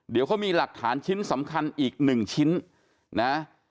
เดี๋ยวเขามีหลักฐานชิ้นสำคัญอีกหนึ่งชิ้นนะ